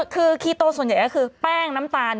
คือคีโตส่วนใหญ่ก็คือแป้งน้ำตาล